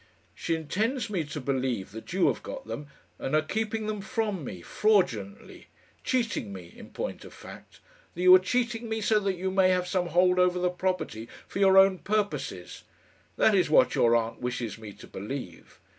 "She intends me to believe that you have got them, and are keeping them from me fraudulently! cheating me, in point of fact that you are cheating me, so that you may have some hold over the property for your own purposes. That is what your aunt wishes me to believe.